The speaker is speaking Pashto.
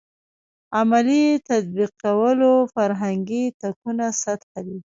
عملي تطبیقولو فرهنګي تکون سطح دی.